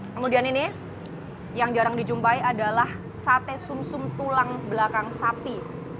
kemudian ini yang jarang dijumpai adalah sate sum sum tulang belakang sapi